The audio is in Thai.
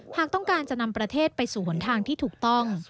หากต้องการจะนำประเทศไปสู่หนทางที่ถูกต้อง